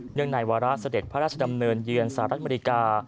ในวาระเสด็จพระราชดำเนินเยือนสหรัฐอเมริกา